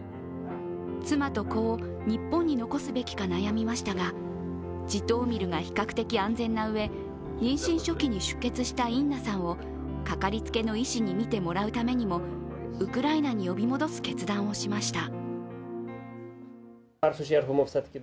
妻と子を日本に残すべきか悩みましたがジトーミルが比較的安全なうえ、妊娠初期に出血したインナさんをかかりつけの医師に診てもらうためにもウクライナに呼び戻す決断をしました。